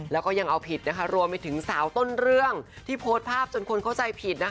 แล้วก็ยังเอาผิดนะคะรวมไปถึงสาวต้นเรื่องที่โพสต์ภาพจนคนเข้าใจผิดนะคะ